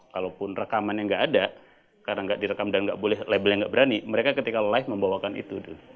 kalaupun rekaman yang nggak ada karena nggak direkam dan labelnya nggak berani mereka ketika live membawakan itu